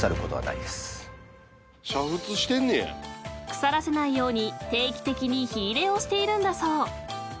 ［腐らせないように定期的に火入れをしているんだそう］